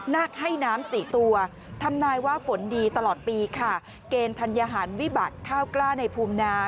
นักให้น้ำสี่ตัวทำนายว่าฝนดีตลอดปีค่ะเกณฑ์ธัญหารวิบัติข้าวกล้าในภูมินา